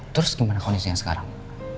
terus gimana kondisinya sekarang